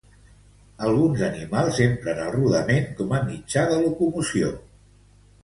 Alguns animals empren el rodament com a mitjà de locomoció.